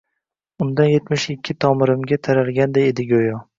undan yetmish ikki tomirimga taralganday edi goʻyo.